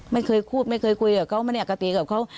ไม่เคยพูดไม่เคยคุยกับเขาไม่ได้กระตีกับเขา